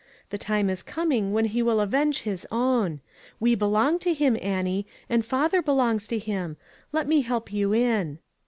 The time is coming when he will avenge his own. We belong to him, Annie, and father belongs to him. Let me help you in."